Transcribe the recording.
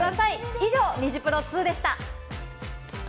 以上、ニジプロ２でした。